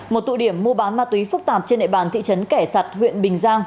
một tụ điểm mua bán ma túy phức tạp trên nệ bàn thị trấn kẻ sặt huyện bình giang